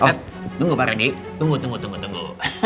eh tunggu pak reni tunggu tunggu tunggu